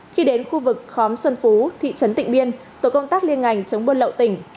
khi đến khu vực khóm xuân phú thị trấn tịnh biên tổ công tác liên ngành chống buôn lậu tỉnh